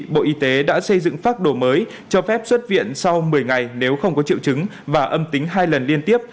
bộ y tế đã xây dựng pháp đồ mới cho phép xuất viện sau một mươi ngày nếu không có triệu chứng và âm tính hai lần liên tiếp